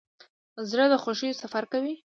زړه د خوښیو سفر کوي.